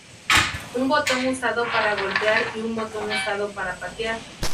Un botón usado para 'golpear' y un botón usado para "patear".